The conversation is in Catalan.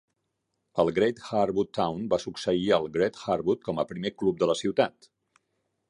El Great Harwood Town va succeir el Great Harwood com a primer club de la ciutat.